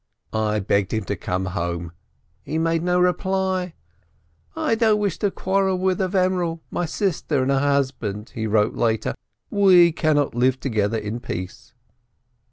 I begged him to come home, he made no reply. 'I don't wish to quarrel with Avremel, my sister, and her husband,' he wrote later, 'we cannot live together in peace.'